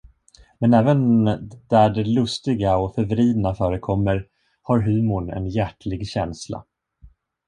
Men även där det lustiga och förvridna förekommer, har humorn en hjärtlig känsla.